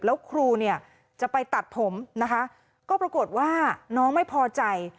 แล้วครูเนี่ยจะไปตัดผมนะคะก็ปรากฏว่าน้องไม่พอใจ